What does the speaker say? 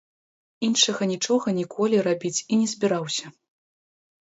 Іншага нічога ніколі рабіць і не збіраўся.